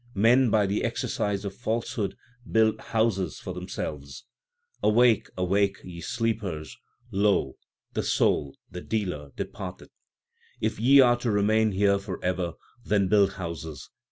Men by the exercise of falsehood build houses for themselves. Awake, awake, ye sleepers ; lo ! the soul the dealer departeth. If ye are to remain here for ever, then build houses.